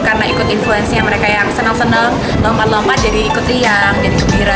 karena ikut influensi yang mereka yang senang senang lompat lompat jadi ikut riang jadi gembira